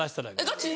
「ガチ？」